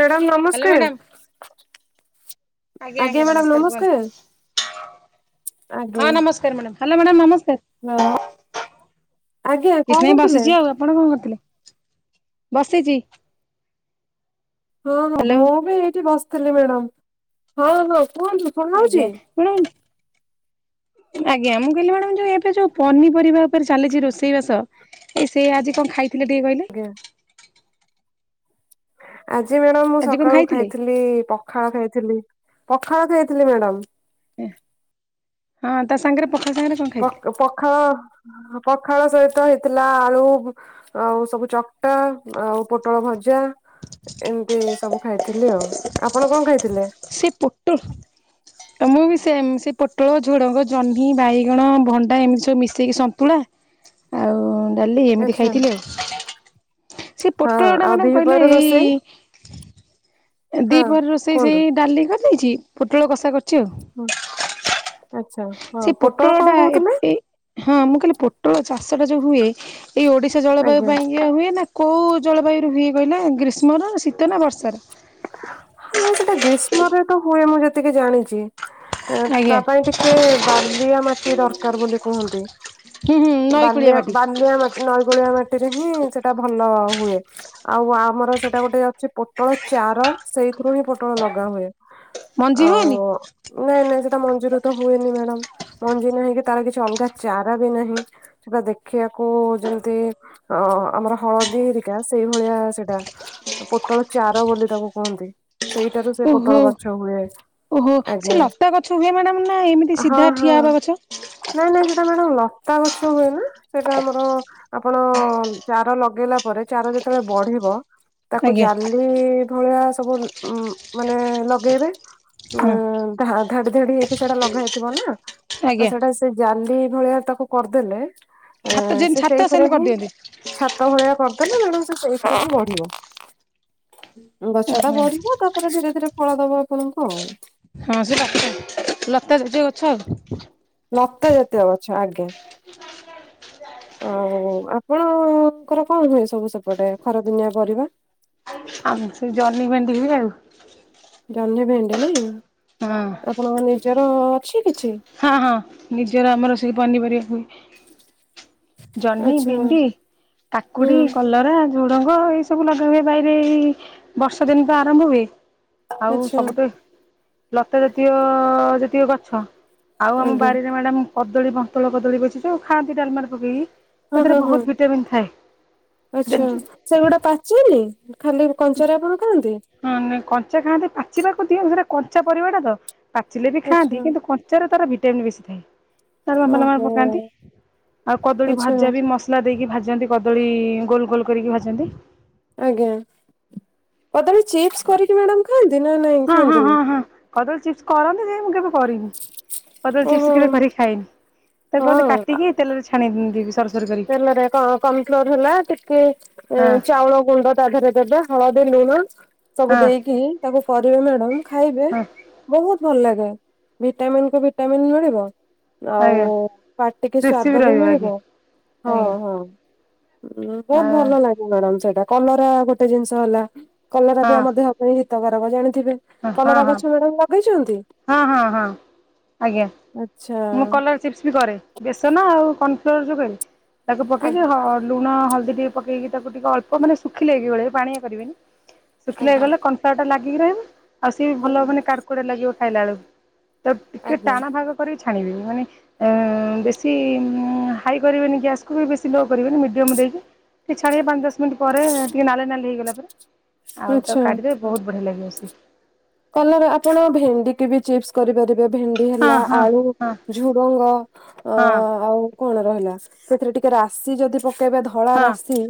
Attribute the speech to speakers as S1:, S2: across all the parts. S1: Madam
S2: hello
S1: ନମସ୍କାର
S2: madam
S1: ଆଜ୍ଞା madam ନମସ୍କାର।
S2: ହଁ
S1: ଆଜ୍ଞା।
S2: ନମସ୍କାର ମ୍ୟାଡାମ୍ ହାଲୋ ମ୍ୟାଡ଼ାମମ୍ ନମସ୍କାର।
S1: ନାଁ।
S2: କିଛି ନାଇଁ
S1: କରୁଥିଲେ?
S2: ବସିଚି ଆଉ ଆପଣ କଣ କରୁଥୁଲେ ବସିଚି।
S1: ହଁ ହଁ
S2: ହ୍ୟାଲୋ
S1: ମୁଁ ବି ଏଇଠି ବସଥିଲି ମ୍ୟାଡ଼ାମ ହଁ ହଁ କୁହନ୍ତୁ। ଶୁଣାଉଛି?
S2: ଆଜ୍ଞା ମାଡାମ ଆଜ୍ଞା ମୁଁ କହିଲି ମ୍ୟାଡାମ ଯୋଉ ଏବେ ଯୋଉ ପନିପରିବା ଓପରେ ଚାଲିଚି ରୋଷେଇ ବାସ ଏ ସେଇ ଆଜି କଣ ଖାଇଥିଲେ ଟିକେ କହିଲେ?
S1: ୟା ଆଜି ମ୍ୟାଡାମ୍ ମୁଁ
S2: ଆଜି କଣ
S1: ସକାଳୁ
S2: ଖାଇଥିଲେ?
S1: ଖାଇଥିଲି ପଖାଳ ଖାଇଥିଲି ପଖାଳ ଖାଇଥିଲି ମ୍ୟାଡାମ୍।
S2: ହଁ ତା ସାଙ୍ଗରେ ପଖାଳ ସାଙ୍ଗରେ? କଣ
S1: ପ
S2: ଖାଇଥିଲେ?
S1: ପଖାଳ ପଖାଳ ସହିତ ହେଇଥିଲା ଆଳୁ ଆଉ ସବୁ ଚକଟା ଆଉ ପୋଟଳ ଭଜା ଏମିତି ସବୁ ଖାଇଥିଲି ଆଉ ଆପଣ କଣ ଖାଇଥିଲେ?
S2: ସେଇ ପୋଟଲ୍ ମୁଁ ବି ସେମ୍ ସେ ପୋଟଳ ଝୁଡଙ୍ଗ ଜହ୍ନି ବାଇଗଣ ଭଣ୍ଡା ଏମିତି ସବୁ ମିଶେଇକି ସନ୍ତୁଳା। ଆଉ ଡାଲି ଏମିତି
S1: ଆଚ୍ଛା
S2: ଖାଇଥିଲି ଆଉ ସେ
S1: ହଁ
S2: ପୋଟଳ ଟା
S1: ଆଉ
S2: ମ୍ୟାଡ଼ାମ କହିଲେ
S1: ଦିପହର ରୋଷେଇ?
S2: ଦି
S1: ହଁ
S2: ପହରେ ରୋଷେଇ
S1: କୁହନ୍ତୁ।
S2: ସେଇ ଡାଲି କରିଦେଇଚି ପୋଟଳ କଷା କରିଚି ଆଉ।
S1: ହୁଁ-ଆଚ୍ଛା।
S2: ସେ ପୋଟଳ ଟା ଏତେଏ ହଁ ମୁଁ କହିଲି ପୋଟଳ ଚାଷଟା ଯୋଉ ହୁଏ ଏଇ ଓଡିଶା ଜଳବାୟୁ
S1: ଆଜ୍ଞା
S2: ପାଇଁକା ହୁଏ ନା କେଉଁ ଜଳବାୟୁରୁ ହୁଏ କହିଲା ଗ୍ରୀଷ୍ମର ଶୀତ ନା ବର୍ଷାର?
S1: ହଁ ସେଟା ଗ୍ରୀଷ୍ମରେ ତ ହୁଏ ମୁଁ ଯେତିକି ଜାଣିଛି। ଏ ତା
S2: ଆଜ୍ଞା
S1: ପାଇଁ ଟିକେ ବାଲିଆ ମାଟି ଦରକାର ବୋଲି କୁହନ୍ତି।
S2: ହୁଁ ହୁଁ ନଈ କୂଳିଆ
S1: ବାଲିଆ
S2: ମାଟି
S1: ବାଲିଆ ମା ନଈକୁଳିଆ ମାଟିରେ ହିଁ ସେଟା ଭଲ ହୁଏ। ଆଉ ଆମର ସେଇଟା ଗୋଟେ ଅଛି ପୋଟଳ ଚାର ସେଇଥିରୁ ହିଁ ପୋଟଳ ଲଗା ହୁଏ।
S2: ମଞ୍ଜି ହୁଏନି?
S1: ଆଉ ନାଇଁ ନାଇଁ ସେଟା ମଞ୍ଜିରୁ ତ ହୁଏନି ମ୍ୟାଡାାମ। ମଞ୍ଜି ନାହିଁ କି ତାର କିଛି ଅଲଗା ଚାରା ବି ନାହିଁ। ସେଟା ଦେଖିବାକୁ ଯେମିତି ଅ ଆମର ହଳଦୀ ହେରିକା ସେଇଭଳିଆ ସେଇଟା ପୋଟଳ ଚା ବୋଲି ତାକୁ କୁହନ୍ତି ସେଇଟାରୁ ସେ
S2: ଓହୋ
S1: ପୋଟଳ ଗଛ ହୁଏ।
S2: ଓହୋ ସେ
S1: ଆଜ୍ଞା।
S2: ଲତା ଗଛ ହୁଏ ମ୍ୟାଡ଼ାମ ନା ଏମିତି
S1: ହଁ
S2: ସିଧା
S1: ହଁ
S2: ଠିଆ ହେବା ଗଛ?
S1: ନାଇଁ ନାଇଁ ସେଟା ମ୍ୟାଡ଼ାମ ଲତା ଗଛ ହୁଏ ନା ସେଇଟା ଆମର ଆପଣ ଚାର ଲଗେଇଲା ପରେ ଚାର ଯେତେବେଳେ ବଢିବ ତାକୁ
S2: ଆଜ୍ଞା
S1: ଜାଲି ଏଇ ଭଳିଆ ସବୁ ମାନେ ଲଗେଇବେ। ଉଁ
S2: ହଁ
S1: ଧା ଧାଡି ଧାଡି ହେଇକି ସେଟା ଲଗା ହେଇଥିବ ନା, ତ
S2: ଆଜ୍ଞା
S1: ସେଇଟା ସେ ଜାଲି ଭଳିଆ ତାକୁ କରିଦେଲେ
S2: ଛାତ ଯେମିତି
S1: ସେ
S2: ଛାତ
S1: ସେଇଥିରେ
S2: ସେମିତି
S1: ହିଁ
S2: କରିଦିଅନ୍ତି।
S1: ଛାତ ଭଳିଆ କରିଦେଲେ ମ୍ୟାଡାମ ସେ ସେଇଥିରେ ହିଁ ବଢିବ। ଗଛ ଟା
S2: ଓହୋ
S1: ବଢିବ ତାପରେ ଧୀରେ ଧୀରେ ଫଳ ଦବ ଆପଣଙ୍କୁ ଆଉ।
S2: ହଁ ସେ ଲ ଲତା ଲତା ଜାତୀୟ ଗଛ ଆଉ।
S1: ଲତା ଜାତୀୟ ଗଛ ଆଜ୍ଞା। ଆଉ ଆପଣଙ୍କର କଣ ହୁଏ ସବୁ ସେପଟେ ଖରା ଦିନିଆ ପରିବା?
S2: ଆଉ ସେ ଜହ୍ନି ଭେଣ୍ଡି ହୁଏ ଆଉ।
S1: ଜହ୍ନି ଭେଣ୍ଡି ନାଇଁ
S2: ହଁ
S1: ଆପଣଙ୍କ ନିଜର ଅଛି କିଛି?
S2: ହଁ ହଁ ନିଜର ଆମର ସେ ପନିପରିବା ହୁଏ। ଜହ୍ନି,
S1: ଆଚ୍ଛା
S2: ଭେଣ୍ଡି,
S1: ହୁଁ
S2: କାକୁଡି, କଲରା। ଝୁଡଙ୍ଗ ଏଇ ସବୁ ଲଗା ହୁଏ ବାରିରେ ଏଇ ବର୍ଷ ଦିନ ତ ଆରମ୍ଭ ହୁଏ। ଆଉ
S1: ଆଚ୍ଛା
S2: ସବୁ ତ ଲତା ଜାତୀୟ ଜାତୀୟ ଗଛ। ଆଉ ଆମ
S1: ଆଜ୍ଞା
S2: ବାରିରେ ମ୍ୟାଡାମ କଦଳୀ ବନ୍ତଳ କଦଳୀ [inaudible] ସବୁ ଖାଆନ୍ତି ଡାଲମାର ପକେଇକି।
S1: ହଁ
S2: ତା
S1: ହଁ
S2: ଦେହରେ
S1: ହଁ
S2: ବହୁତ ଭିଟାମିନ୍
S1: ଆଚ୍ଛା
S2: ଜାଣିଛୁ।
S1: ସେଗୁଡା ପାଚେନି ଖାଲି କଞ୍ଚାରେ ଆପଣ ଖାଆନ୍ତି।
S2: ହଁ ନାଇଁ କଞ୍ଚା ଖାଆନ୍ତି ପାଚିବାକୁ ଦିଅ ସେଟା କଞ୍ଚା ପରିବାଟା ତ ପାଚିଲେ ବି
S1: ଆଚ୍ଛା
S2: ଖାଆନ୍ତି। କିନ୍ତୁ ତାର ଭିଟାମିନ୍ ବେଶୀ ଥାଏ। ତାର ଲମ୍ବା ଲମ୍ବା
S1: ଓହୋ
S2: ପକାନ୍ତି ଆଉ କଦଳୀ
S1: ଆଚ୍ଛା
S2: ଭାଜା ବି ମ ସଲା ଦେଇକି ଭାଜନ୍ତି କଦଳୀ ଗୋଲ ଗୋଲ କରିକି ଭାଜନ୍ତି।
S1: ଆଜ୍ଞା କଦଳୀ ଚିପସ କରିକି ମ୍ୟାଡ଼ାମ ଖାଆନ୍ତି ନା ନାଇଁ
S2: ହଁ ହଁ ହଁ
S1: ଖାଆନ୍ତିନି।
S2: ହଁ କଦଳୀ ଚିପ୍ସ କରନ୍ତି କରନ୍ତି ଯେ ମୁଁ କେବେ କରିନି। କଦଳୀ ଚିପ୍ସ
S1: ଓହୋ
S2: କେବେ କରିିକି ଖାଇନି ତାକୁ କୁହନ୍ତି
S1: ହଁ
S2: କାଟିକି ତେଲରେ ଛାଣିି ଦେବି ସରୁ ସ୍
S1: ତେଲରେ କଁ କର୍ଣଫ୍ଲୋର ହେଲା ଟିକେ ଉଁ
S2: ହଁ
S1: ଚାଉଳ ଗୁଣ୍ଡ। ତା ଧିଏରେ ଦେବେ ହଳଦୀ ଲୁଣ ସବୁ
S2: ହଁ
S1: ଦେଇକି ତାକୁ କରିବେ ମ୍ୟାଡମ ଖାଇବେ।
S2: ହଁ
S1: ବହୁତ ଭଲ ଲାଗେ ଭିଟାମିନ୍ କୁ ଭିଟାମିନ୍ ମିଳିବ। ଆଉ
S2: ଆଜ୍ଞା।
S1: ପାଟିକି
S2: କ୍ରିସ୍ପି
S1: ସ୍ଵାଦ ବି
S2: ରହିବ ଆଜ୍ଞା
S1: ମିଳିବ ହଁ
S2: ଆଜ୍ଞା
S1: ହଁ। ବହୁତ ଭଲ ଲାଗେ ମ୍ୟାଡାମ ସେଇଟା କଲରା ଗୋଟେ ଜିନିଷ ହେଲା କଲରା ବି ଆମ
S2: ହଁ
S1: ଦେହ। ହିତକାରକ ଜାଣିଥିବେ।
S2: ହଁ
S1: କଲରା
S2: ହଁ ହଁ।
S1: ଗଛ ମ୍ୟାଡ଼ାମ ଲଗେଇଛନ୍ତି।
S2: ହଁ ହଁ ହଁ ଆଜ୍ଞା
S1: ଆଚ୍ଛା
S2: ମୁଁ କଲରା। ଚିପ୍ସ ବି କରେ ବେସନ ଆଉ କର୍ଣଫ୍ଲୋର ଯୋଉ କହିଲି ତାକୁ ପକେଇକି
S1: ଆଜ୍ଞା
S2: ହ ଲୁଣ ହଳଦୀ ଟିକେ ପକେଇକି ତାକୁ ଟିକେ ଅଳ୍ପ ମାନେ ଶୁଖିଲା କି ଗୋଳିବେ ପାଣିଆ କରିବେନି। ଶୁଖିଲା
S1: ଆଜ୍ଞା
S2: ହେଇଗଲେ କର୍ନଫ୍ଲୋରଟା ଲାଗିକି ରହିବ। ଆଉ ସିଏ ବି ଭଲ ମାନେ କାଡୁ କୁଡେ ଲାଗିବ ଖାଇଲା ବେଳକୁ। ତାକୁ ଟିକେ
S1: ଆଜ୍ଞା
S2: ଟାଣ ଭାଗ କରିିକି ଛାଣିବେ ମାନେ। ଏଁ ବେଶୀ ହାଇ କରିବେନି ଗ୍ୟାସକୁ ବି ବେଶୀ ଲୋ କରିବେନି ମିଡିୟମ ଦେଇକି। ଟିକେ ଛାଡିବେ ପାଞ୍ଚ ଦଶ ମିନିଟ୍ ପରେ ଟିକେ ନାଲି ନାଲି ହେଇଗଲା ପରେ। ଆଉ ତାକୁ
S1: ଆଚ୍ଛା।
S2: କାଢିଦେବେ ବହୁତ ବଢିଆ ଲାଗିବ ସେ।
S1: କଲରା ଆପଣ ଭେଣ୍ଡି କି ବି ଚିପ୍ସ୍ କରିପାରିବେ। ଏବେ ଭେଣ୍ଡି
S2: ହଁ
S1: ହେଲା
S2: ହଁ
S1: ଆଳୁ
S2: ହଁ
S1: ଝୁଡଙ୍ଗ ଅ
S2: ହଁ ହଁ।
S1: ଆଉ। କଣ ରହିଲା ସେଥିରେ ଟିକେ ରାଶି ଯଦି ପକେଇବେ ଧଳା
S2: ହଁ
S1: ରାଶି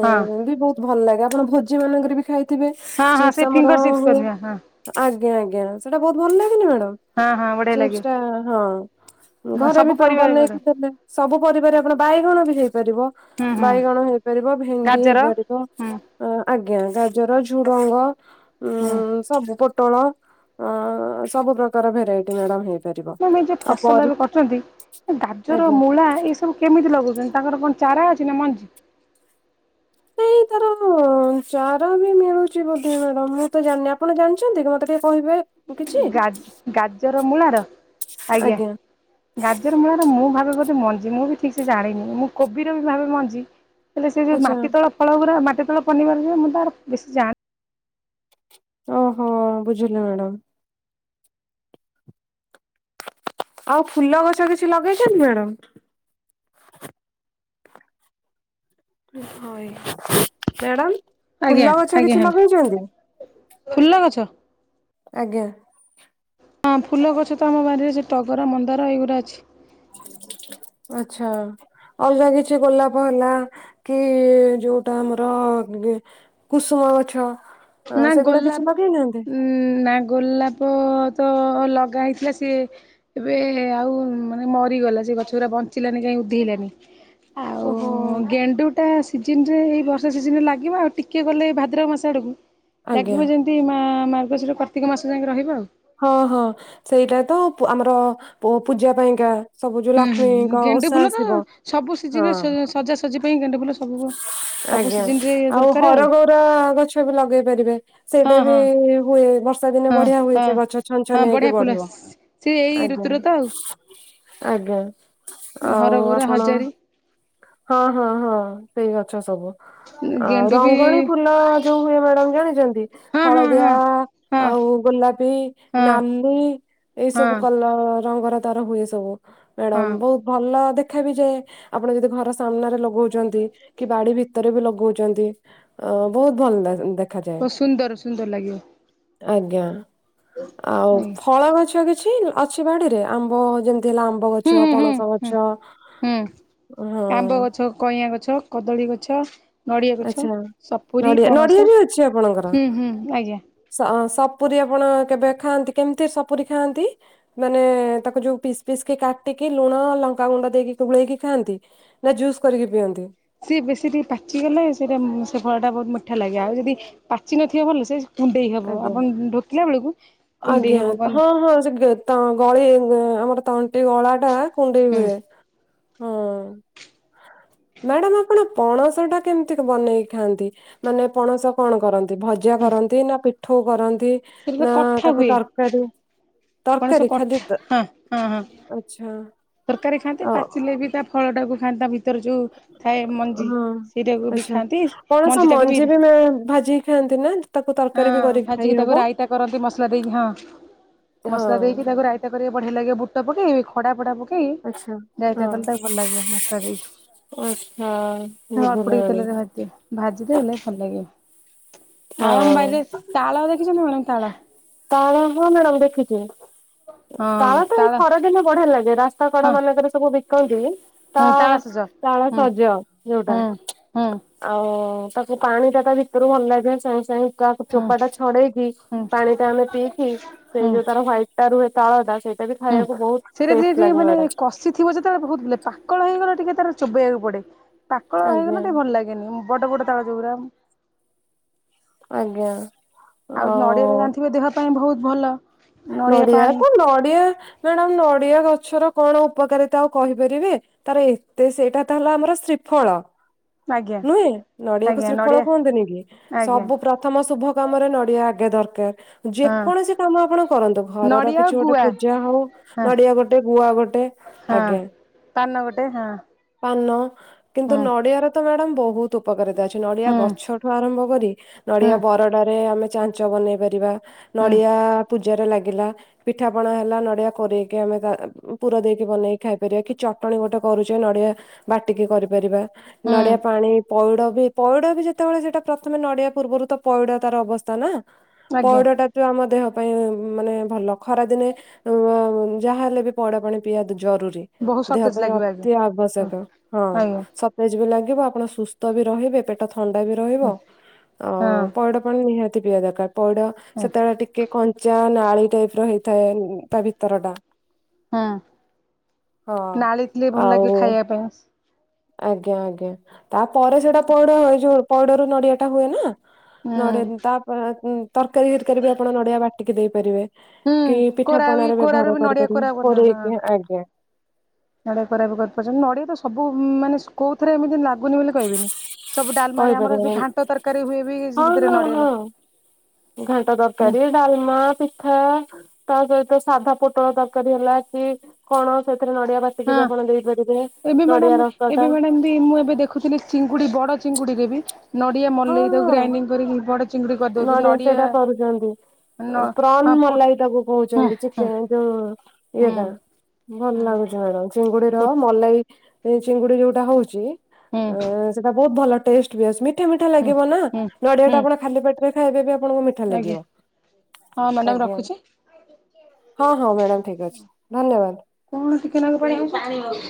S1: ଏ
S2: ହଁ
S1: ବି ବହୁତ। ଭଲ୍ ଲାଗେ ଆପଣ ଭୋଜି ମାନଙ୍କରେ ବି ଖାଇଥିବେ
S2: ହଁ ହଁ
S1: ଚିପ୍ସ୍
S2: ସେ
S1: ଆମର
S2: ଫିଙ୍ଗର ଚିପ୍ସ
S1: ହୁଏ।
S2: କରିବେ ହଁ
S1: ଆଜ୍ଞା ଆଜ୍ଞା ସେଟା ବହୁତ ଭଲ୍ ଲାଗେନି ମଡାମ୍
S2: ହଁ ହଁ ବଢ଼ିଆ ଲାଗିବ।
S1: ସିପ୍ସ ଟା ହଁ। ଘରେ ବି
S2: ସବୁ
S1: ତ
S2: ପରିବା
S1: ବନେଇକି
S2: ପଡ଼େ
S1: ଦେଲେ ସବୁ ପରିବାର ଆପଣ ବାଇଗଣ ରେ ବି ହେଇପାରିବ।
S2: ହୁଁ ହୁଁ
S1: ବାଇଗଣ ହେଇପାରିବ ଭେଣ୍ଡି
S2: ଗାଜର
S1: ହେଇପାରିବ।
S2: ହୁଁ
S1: ଆଜ୍ଞା ଗାଜର ଝୁଡ଼ଙ୍ଗ
S2: ହୁଁ
S1: ଉଁ। ସବୁ ପୋଟଳ ଅ ସବୁ ପ୍ରକାର ଭେରାଇଟ୍ ମଡାମ୍ ହେଇ
S2: ମାମ୍ ଏ ଯୋଉ ଫସଲ ଏବେ କରିଛନ୍ତି ଗାଜର,
S1: ଆଜ୍ଞା।
S2: ମୂଳା ଏସ ଏସବୁ କେମିତି ଲଗଉଛନ୍ତି ତାଙ୍କର କଣ ଚାରା ଅଛି ନା ମଞ୍ଜି।
S1: ନାହିଁ ତାର ହଁ ଚାରା ବି ମିଳୁଛି ବୋଧେ ମଡାମ୍ ମୁଁ ତ ଜାଣିନି ଆପଣ ଜାଣିଛନ୍ତି କି ମତେ ଟିକେ କହିବେ। କିଛି
S2: ଗଜ୍ ଗାଜର ମୂଳାର ଆଜ୍ଞା। ଗାଜର ମୂଳାର ମୁଁ ଭାବେ ବୋଧେ ମଞ୍ଜି ମୁଁ ବି ଠିକ୍ ସେ ଜାଣିନି ମୁଁ କୋବିର ବି ଭାବେ ମଞ୍ଜି। ହେଲେ ସେ ଯୋଉ
S1: ଆଚ୍ଛା
S2: ମାଟିିତଳ ଫଳ ଗୁରା ମାଟି ତଳ ପନିବାର ମୁଁ ତାର ବେଶୀ ଜାଣି
S1: ଓହୋ ବୁଝିଲି ମ୍ୟାଡ଼ାମ୍। ଆଉ ଫୁଲ ଗଛ କିଛି ଲଗେଇଛନ୍ତି ମ୍ୟାଡ଼ାମ୍। ମ୍ୟାଡ଼ାମ୍
S2: ଆଜ୍ଞା
S1: ଫୁଲ ଗଛ
S2: ଆଜ୍ଞା
S1: କିଛି
S2: ହେଲା।
S1: ଲଗେଇଛନ୍ତି।
S2: ଫୁଲ ଗଛ।
S1: ଆଜ୍ଞା।
S2: ହଁ ଫୁଲ ଗଛ ତ ଆମ ବାଡିରେ ସେ ଟଗର, ମନ୍ଦାର ଏଇଗୁରା ଅଛି।
S1: ଆଛା। ଅଲଗା କିଛି ଗୋଲାପ ହେଲା କି ଯୋଉଟା ଆମର ଗେ କୁସୁମ ଗଛ।
S2: ନା
S1: ସେଗୁଡା କିଛି
S2: ଗୋଲାପ
S1: ଲଗେଇନାହାନ୍ତି?
S2: ଉଁ। ହୁଁ ନା ଗୋଲାପ ତ ଲଗା ହେଇଥିଲା ସିଏ। ଏବେ ଆଉ ମାନେ ମରିଗଲା ସେ ଗଛଗୁଡା ବଞ୍ଚିଲାନି କାଇଁ ଉଦ୍ଧେଇଲାନି।
S1: ଓହୋ
S2: ଆଉ ଗେଣ୍ଡୁ। ଟା ସିଜିନ୍ ରେ ଏଇ ବର୍ଷା ସିଜିନ୍ ରେ ଲାଗିବ ଆଉ ଟିକେ ଗଲେ ଏଇ ଭାଦ୍ରବ ମାସ ଆଡ଼କୁ।
S1: ଆଜ୍ଞା
S2: ଲାଗିବ ଯେମିତି ମା ମାର୍ଗଶୀର କାର୍ତ୍ତିକ ମାସ ଯାଏ ରହିବ [unintelligible]
S1: ହଁ ହଁ ସେଇଟା ତ ଆମର ପୂଜା ପାଇଁକା। ସବୁ ଯୋଉ
S2: ହୁଁ ହୁଁ
S1: ଲକ୍ଷ୍ମୀଙ୍କ
S2: ଗେଣ୍ଡୁ
S1: ଓଷା
S2: ଫୁଲ ତ
S1: ଆସିବ
S2: ସବୁ
S1: ହଁ।
S2: ସିଜିନରେ ସଜାସଜି ପାଇଁ ଗେଣ୍ଡୁ ଫୁଲ ସବୁ ସବୁ
S1: ଆଜ୍ଞା
S2: ସିଜିନରେ
S1: ଆଉ
S2: ଦରକାର
S1: ହରଗଉର ଗଛ ବି ଲଗେଇ ପାରିବେ
S2: ହଁ
S1: ସେଇଟା ବି
S2: ହଁ
S1: [unintelligible] ବର୍ଷା ଦିନେ
S2: ହଁ
S1: ବଢିଆ ହୁଏ
S2: ହଁ।
S1: ସେ ଗଛ
S2: ହଁ
S1: ଛନଛନିଆ ହେଇକି
S2: ବଢ଼ିଆ ଫୁଲ
S1: ବଢିବ
S2: ସେ ଏଇ ଋତୁରେ ତ ଆଉ।
S1: ଆଜ୍ଞା। ଆଜ୍ଞା ଆଉ
S2: ହରଗୌରା
S1: ଆପଣ
S2: ହଜାରୀ
S1: ହଁ ହଁ ହଁ ସେଇ ଗଛ ସବୁ। ଆଉ
S2: ଗେଣ୍ଡୁ ବି
S1: ରଙ୍ଗଳି ଫୁଲ ଯୋଉ ହୁଏ ମ୍ୟାଡାମ୍ ଜାଣିଛନ୍ତି?
S2: ହଁ ହଁ
S1: ହଳଦିଆ
S2: ହଁ ହଁ
S1: ଆଉ ଗୋଲାପି
S2: ହଁ
S1: ନାଲି ଏଇ
S2: ହଁ
S1: ସବୁ କଲ ରଙ୍ଗର ତାର ହୁଏ। ସବୁ ମାଡ଼ାମ୍
S2: ହଁ
S1: ବହୁତ୍ ଭଲ ଦେଖାବି ଯାଏ ଆପଣ ଯଦି ଘର ସାମ୍ନା ରେ ଲ ଭୁଛନ୍ତି କି ବାଡି ଭିତରେ ବି ଲଗଉଛନ୍ତି ଆଉ ବହୁତ ଭଲ୍ ଲାଗେ ଦେ ଦେଖାଯାଏ
S2: ଓ ସୁନ୍ଦର୍ ସୁନ୍ଦର୍ ଲାଗିବ।
S1: ଆଜ୍ଞା ଆଉ
S2: ଆଜ୍ଞା
S1: ଫଳ ଗଛ କିଛି ଅ ଅଛି ବାଡିରେ ଆମ୍ବ ଯେମିତି ହେଲେ ଆମ୍ବ
S2: ହୁଁ
S1: ଗଛ,
S2: ହୁଁ
S1: ପଣସ
S2: ହୁଁ
S1: ଗଛ?
S2: ହୁଁ ଆମ୍ବ
S1: ହଁ।
S2: ଗଛ, କଇଁଆଁ ଗଛ, କଦଳୀ ଗଛ। ନଡ଼ିଆ ଗଛ,
S1: ଆଚ୍ଛା
S2: ସପୁରୀ,
S1: ନଡିଆ ନଡିଆ
S2: ପଣସ
S1: ବି ଅଛି ଆପଣଙ୍କର
S2: ହୁଁ ହୁଁ ଆଜ୍ଞା।
S1: ସ ସପୁରୀ ଆପଣ କେବେ ଖାଆନ୍ତି, କେମିତି ସପୁରୀ ଖାଆନ୍ତି? ମାନେ ତାକୁ ଯୋଉ ପିସ୍ ପିସ୍ କି କାଟିକି ଲୁଣ, ଲଙ୍କା ଗୁଣ୍ଡ ଦେଇକି ଗୋଳେଇକି ଖାଆନ୍ତି? ନା ଜୁସ୍ କରିକି ପିଅନ୍ତି?
S2: ସିଏ ବେଶୀ ଟିକେ ପାଚି ଗଲେ ସେଇଟା ସେ ଫଳ ଟା ବହୁତ୍ ମିଠା ଲାଗେ ଆଉ ଯଦି ପାଚି ନଥିବ ଭଲ ସେ କୁଣ୍ଡେଇ ହବ
S1: ଆଜ୍ଞା
S2: ଆପଣ ଢୋକିଲା ବେଳକୁ କୁଣ୍ଡେଇ
S1: ଆଜ୍ଞା
S2: ହବ, କଣ୍
S1: ହଁ ହଁ ସେ ଗଳି ଆମର ତଣ୍ଟି ଗଳା ଟା କୁଣ୍ଡେଇ
S2: ହୁଁ
S1: ହୁଏ। ହୁଁ। ମ୍ୟାଡ଼ାମ୍ ଆପଣ ପଣସ ଟା କେମିତି ବନେଇକି ଖାଆନ୍ତି? ମାନେ ପଣସ କଣ କରନ୍ତି ଭଜା କରନ୍ତି ନା ପିଠଉ କରନ୍ତି
S2: ସେଟା ତ
S1: ନା
S2: କଠା
S1: ତାକୁ
S2: ହୁଏ
S1: ତରକାରୀ
S2: ପଣସ କଠା ହଁ ହଁ ହଁ
S1: ଆଚ୍ଛା।
S2: ତରକାରୀ ଖାଆନ୍ତି ପାଚିଲେ ବି ତା ଫଳ ଟାକୁ ଖାଆନ୍ତା ତା ଭିତ୍ ଭିତରେ ଯଉ ଥାଏ ମଞ୍ଜି
S1: ହଁ
S2: ସେଇଟାକୁ ବି ଖାଆନ୍ତି ମଞ୍ଜିଟାକୁ ବି
S1: ତେ ଭାଜି ଖାଆନ୍ତି [unintelligible]
S2: ହଁ
S1: ବି କରିକି ଖାଇ
S2: ଭାଜିକି
S1: ହବ
S2: ତାକୁ ରାଇତା କରନ୍ତି ମସଲା ଦେଇକି ହଁ
S1: ହଁ
S2: ମସଲା ଦେଇକି ତାକୁ ରାଇତା ରାଇତା କରି ବଢିଆ ଲାଗେ ବୁଟ ପକେଇ ଖଡା ଫଡା ପକେଇ
S1: ଆଚ୍ଛା ହଁ
S2: ରାଇତା କଲେ ତାକୁ ଭଲ ଲାଗେ ମସଲା ଦେଇକି।
S1: ଆଚ୍ଛା ବୁଝଲି ମ୍ୟାଡ଼ାମ୍।
S2: ଭାଜି ଦେଲେ ଭଲ୍ ଲାଗେ।
S1: ହଁ
S2: ଆଉ ଆମ୍ ବାଡିରେ ତାଳ ଦେଖିଚନ୍ତି ମ୍ୟାଡ଼ାମ୍ ତାଳ?
S1: ତାଳ ହଁ ମ୍ୟାଡାମ୍ ଦେଖିଚି। ତାଳ ତ ଏଇ ଖରାଦିନେ ବଢିଆ ଲାଗେ, ରାସ୍ତା କଡ
S2: ହଁ
S1: ମାନଙ୍କେରେ ସବୁ ବିକନ୍ତିି
S2: ହଁ
S1: ତାଳ
S2: ସଜ
S1: ତାଳ
S2: ହୁଁ
S1: ସଜ ଯୋଉଟା।
S2: ହୁଁ ହୁଁ
S1: ଆଉ ତାକୁ ପାଣି ଟା ତା ଭିତରୁ ଭଲ ଲାଗେ [unintelligible] କା
S2: ହୁଁ
S1: ଚୋପା ଟା ଛଡେଇକି
S2: ହୁଁ
S1: ପାଣି ଟା ଆମେ ପିଇକି ସେଇ
S2: ହୁଁ।
S1: ଯୋଉ ତାର ହ୍ୱାଇଟ ରୁହେ [unintelligible] ସେଇ ମତେ ବି ଖାଇବାକୁ ବହୁତ ଟେଷ୍ଟ୍ ଲାଗେ ମ୍ୟାଡାମ୍।
S2: ଥିବ ଯେତବେଳେ ବହୁତ୍ [unintelligible] ପାକଳ ହେଇଗଲେ ଟିକେ ତାର ଚୋବେଇବାକୁ ପଡେ ପାକ
S1: ଆଜ୍ଞା।
S2: ଭଲ ଲାଗେନି ବଡ ବଡ ତାଳ ଯଉରା
S1: ଆଜ୍ଞା।
S2: ଆଉ ନଡ଼ିଆ ତ ଜାଣିଥିବେ ଦେହ ପାଇଁ ବହୁତ୍ ଭଲ। ନଡ଼ିଆ
S1: ନଡିଆ
S2: ପାଣି
S1: ତ ନଡିଆ ମ୍ୟାଡାମ୍ ନଡିଆ ଗଛର କଣ ଉପକାରିତା ଆଉ କହିପାରିବେ? ତାର ଏତେ ସେଇଟା ତ ହେଲା ଆମର ଶ୍ରୀଫଳ।
S2: ଆଜ୍ଞା
S1: ନୁହେଁ ନଡିଆକୁ
S2: ଆଜ୍ଞା
S1: ଶ୍ରୀଫଳ
S2: ନଡ଼ିଆ
S1: କୁହନ୍ତୁନି କି ସବୁ
S2: ଆଜ୍ଞା।
S1: ପ୍ର ପ୍ରଥମ ଶୁଭ କାମରେ ନଡିଆ ଆଗେ ଦରକାର୍
S2: ହଁ
S1: ଯେକୌଣସି କାମ ଆପଣ କରନ୍ତୁ ଘରର
S2: ନଡ଼ିଆ ଆଉ
S1: କିଛି ଗୋଟେ
S2: ଗୁଆ
S1: ପୂଜା ହଉ
S2: ହଁ
S1: ନଡିଆ ଗୋଟେ ଗୁଆ ଗୋଟେ
S2: ହଁ।
S1: ଆଜ୍ଞା।
S2: ପାନ ଗୋଟେ -ହାଁ।
S1: ପାନ କିନ୍ତୁ ନଡିଆରେ ତ ମ୍ୟାଡାମ୍ ବହୁତ୍ ତୁ ଉପକାରିତା ଅଛି ନଡ଼ିଆ
S2: ହୁଁ
S1: ଗଛଠୁ ଆରମ୍ଭ କରି
S2: ହୁଁ
S1: ନଡିଆ ବରଡା ରେ ଆମେ ଚା ଚ ବନେଇ ପାରିବା
S2: ହୁଁ
S1: ନଡିଆ ପୂଜାରେ ଲାଗିଲା ପିଠା ପଣା ହେଲା ନଡିଆ କୋରେଇକି ଆମେ ପୁର ଦେଇକି ବନେଇକି ଖାଇ ପାରିବା କି ଚଟଣୀ ଗୋଟେ କରୁଚେ ନଡିଆ ବାଟିକି କରିପାରିବା
S2: ହୁଁ।
S1: ନଡିଆ ପାଣି ପଉଡ ବି ପଇଡ ବି ଯେତେବେଳେ ସେଇଟା ପ୍ରଥମେ ନଡିଆ ପୂର୍ବରୁ ତ ପଇଡ ତାର ଅବସ୍ଥା ନା
S2: ଆଜ୍ଞା
S1: ପଇଡ ଟା ଆମ ଦେହ ପାଇଁ ମାନେ ଭଲ ଖରା ଦିନେ ମ ଯାହାହଲେ ବି ପଇଡ ପାଣି ପିଇବା ଜରୁରୀ
S2: ବହୁତ
S1: ଦେହ
S2: ସତେଜ
S1: ପାଇଁ
S2: ଲାଗିବ ଆଜ୍ଞା
S1: ଅତି
S2: ହଁ।
S1: ଆବଶ୍ୟକ ହଁ
S2: ଆଜ୍ଞା
S1: -ସ ସତେଜ୍ ବି ଲାଗିବ ଆପଣ ସୁସ୍ଥ ବି ରହିବେ ପେ ପେଟ ଥଣ୍ଡା ବି ରହିବ
S2: ହଁ
S1: ଆଉ ପଇଡ ପାଣି ନିହାତି ପିଇବା ଦରକାର୍ ପଇଡ
S2: ହଁ
S1: ସେତେବେଳେ ଟି କି କଞ୍ଚା ନାଳି ଟାଇପ୍ ର ହେଇଥାଏ ଉଁ -ତା ଭିତର ଟା।
S2: ହୁଁ
S1: ହଁ।
S2: ନାଳି ଥିଲେ ଭଲ
S1: ଆଉ
S2: ଲାଗେ ଖାଇବା ପାଇଁ।
S1: ଆଜ୍ଞା ଆଜ୍ଞା ତାପରେ ସେଇଟା ପଇଡ ଯଉ ପଇଡ ରୁ ନଡିଆ ଟା ହୁଏ ନା।
S2: ହୁଁ
S1: ନଡିଆ ତାପରେ ଉଁ -ତରକାରୀ -ତରକାରୀ ବି ଆପଣ ନଡିଆ ବାଟିକି ଦେଇପାରିବେ।
S2: ହୁଁ
S1: କି ପିଠା
S2: କୋରା ବି
S1: ପଣାରେ
S2: କୋରାରୁ
S1: ବ୍ୟବହାର
S2: ବି ନଡିଆ
S1: କରିପାରିବେ
S2: କୋରା କରୁଛ ହଁ।
S1: କୋରେଇକି ଆଜ୍ଞା।
S2: ନଡ଼ିଆ କୋରା ବି କରିପାରୁଛନ୍ତି ନଡିଆ ତ ସବୁ ମାନେ କୋଉ ଥରେ ଏମିତି ଲାଗୁନି ବୋଲି କହିବିନି। ସବୁ ଡାଲମାରେ ଆମର ଯୋଉ
S1: କହିପାରିବେ।
S2: ଘାଣ୍ଟ ତରକାରୀ ହୁଏ ବି
S1: ହଁ
S2: ସେଥିରେ
S1: ହଁ
S2: ନଡ଼ିଆ
S1: ହଁ
S2: ଲା
S1: ଘାଣ୍ଟ ତରକାରୀ ଡାଲମା ପିଠା ତା ସହିତ ସାଧା ପୋଟଳ ତରକାରୀ ହେଲା କି କଣ ସେଥିରେ ନଡିଆ ବା ସେଠି
S2: ହଁ
S1: ବି ଆପଣ ଦେଇପାରିବେ
S2: ଏବେ ମ୍ୟାଡ଼ାମ
S1: ନଡିଆ ରସ
S2: ଏବେ
S1: ଟା।
S2: ମ୍ୟାଡ଼ାମ ମୁଁ ଏବେ ଦେଖୁଥିଲି ଚିଙ୍ଗୁଡି ବଡ ଚିଙ୍ଗୁଡିରେ ବି ନଡିଆ ମଲେଇ ର ଗ୍ରାଇଡିଙ୍ଗ କରିକି ବ ଡ
S1: ନଡ଼ିଆ ସେଟା କରୁଛନ୍ତି
S2: ନ
S1: ପ୍ରନ୍
S2: ହଁ ପୋ
S1: ମଲାଇ ତାକୁ
S2: ହୁଁ
S1: କହୁଛନ୍ତି
S2: ହୁଁ
S1: ଚିକେନ ଯୋଉ ଇଏ
S2: ହୁଁ
S1: ଟା ଭଲ
S2: ହୁଁ
S1: ଲାଗୁଛି ମ୍ୟାଡାମ
S2: ପୋ
S1: ଚିଙ୍ଗୁଡିର ମଲେଇ ଏଇ ଚିଙ୍ଗୁଡି ଯୋଉଟା ହଉଛି
S2: ହୁଁ
S1: ସେଟା ବହୁତ ଭଲ ଟେଷ୍ଟ ମିଠା ମିଠା
S2: ହୁଁ
S1: ଲାଗିବ ନା
S2: ହୁଁ
S1: ନଡିଆ ଟା
S2: ହୁଁ
S1: ଆପଣ ଖାଲି ପେଟରେ ଖାଇବେ ବି ଆପଣ ମିଠା ମିଠା
S2: ଆଜ୍ଞା।
S1: ଲାଗିବ
S2: ହଁ ମ୍ୟାଡ଼ାମ
S1: ଆଜ୍ଞା।
S2: ରଖୁଛି
S1: ହଁ ହଁ ମ୍ୟାଡ଼ାାମ ଠିକ ଅଛି ଧନ୍ୟବାଦ।
S2: କଣ ଟିକେନାକୁ ପାଇଯାଉଛି।